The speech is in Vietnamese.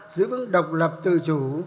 giữ vững độc lập tự chủ